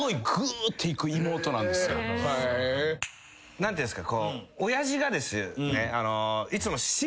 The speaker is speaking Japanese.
何ていうんですか。